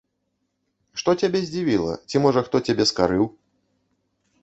Што цябе здзівіла, ці, можа, хто цябе скарыў?